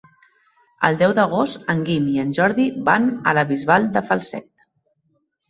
El deu d'agost en Guim i en Jordi van a la Bisbal de Falset.